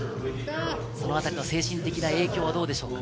そのあたりの精神的な影響はどうでしょうか？